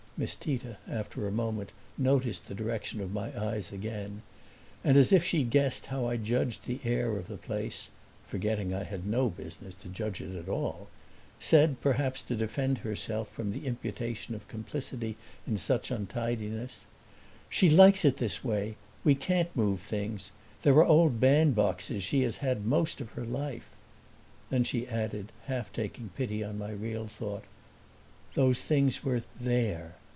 Miss Tita after a moment noticed the direction of my eyes again and, as if she guessed how I judged the air of the place (forgetting I had no business to judge it at all), said, perhaps to defend herself from the imputation of complicity in such untidiness: "She likes it this way; we can't move things. There are old bandboxes she has had most of her life." Then she added, half taking pity on my real thought, "Those things were THERE."